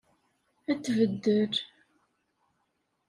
Ad t-tbeddel.